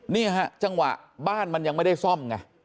นี่ฮะจังหวะบ้านมันยังไม่ได้ซ่อมไง